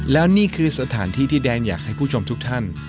แล้วนี่คือสถานที่ที่แดนอยากให้ผู้ชมทุกท่าน